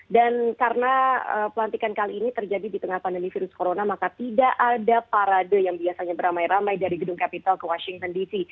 dan karena pelantikan kali ini terjadi di tengah pandemi virus corona maka tidak ada parade yang biasanya beramai ramai dari gedung kapitel ke washington dc